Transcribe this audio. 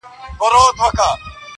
خداى به خوښ هم له سر کار هم له قاضي وي؛